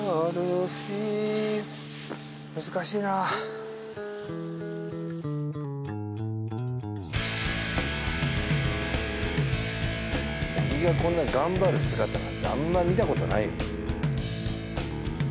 うん小木がこんな頑張る姿なんてあんま見たことないよ